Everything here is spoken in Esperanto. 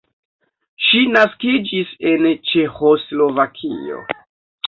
Ŝi naskiĝis en Ĉeĥoslovakio.